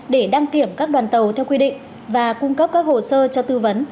để đăng kiểm các đoàn tàu theo quy định và cung cấp các hồ sơ cho tư vấn